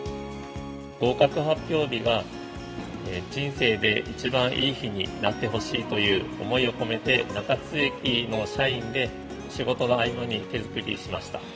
合格発表日が人生で一番いい日になってほしいという思いを込めて、中津駅の社員で仕事の合間に手作りしました。